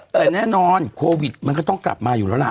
แต่แน่นอนโควิดมันก็ต้องกลับมาอยู่แล้วล่ะ